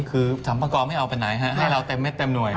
คือทำประกอบให้เอาไปไหนให้เราเต็มเม็ดเต็มหน่วย